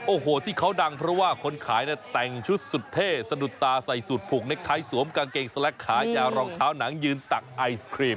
โอ้โหที่เขาดังเพราะว่าคนขายเนี่ยแต่งชุดสุดเท่สะดุดตาใส่สูตรผูกเน็กไทยสวมกางเกงสแล็กขายาวรองเท้าหนังยืนตักไอศครีม